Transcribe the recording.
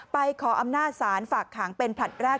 ขออำนาจศาลฝากขังเป็นผลัดแรก